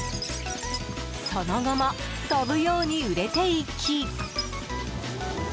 その後も飛ぶように売れていき。